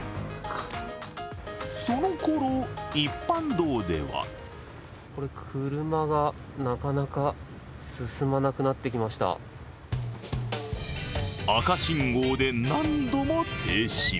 そのころ、一般道では赤信号で何度も停止。